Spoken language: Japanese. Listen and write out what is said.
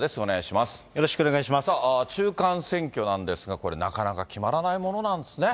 さあ、中間選挙なんですが、これ、なかなか決まらないものなんですね。